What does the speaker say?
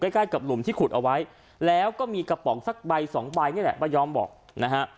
ใกล้กับหลุมที่ขุดเอาไว้แล้วก็มีกระป๋องสักใบสองใบนี่แหละป้ายอมบอกนะฮะ